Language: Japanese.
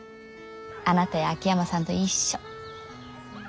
あなたや秋山さんと一緒。